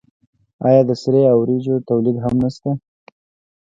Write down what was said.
آیا د سرې او وریجو تولید هم نشته؟